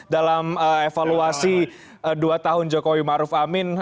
dalam evaluasi dua tahun jokowi maruf amin